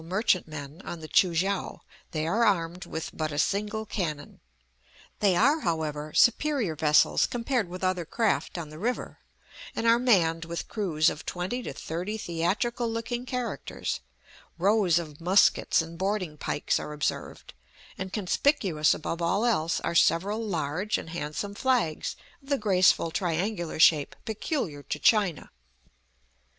merchantmen on the Choo kiang, they are armed with but a single cannon. They are, however, superior vessels compared with other craft on the river, and are manned with crews of twenty to thirty theatrical looking characters; rows of muskets and boarding pikes are observed, and conspicuous above all else are several large and handsome flags of the graceful triangular shape peculiar to China.